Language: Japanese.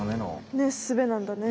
ねっすべなんだね。